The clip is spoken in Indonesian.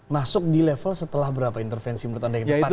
masuk di level setelah berapa intervensi menurut anda yang tepat